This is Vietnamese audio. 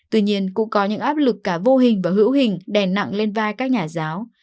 tuy nhiên cũng có những áp lực cả vô hình và hữu hình đè nặng lên vai các nhà giáo